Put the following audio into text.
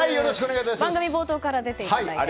番組冒頭から出ていただいて。